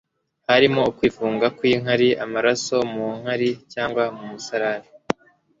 harimo ukwifunga kw'inkari, amaraso mu nkari cyangwa mu musarani.